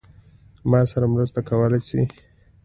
ما سره مرسته کولای شې؟